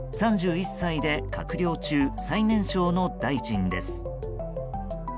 ３１歳で閣僚中最年少の大臣です。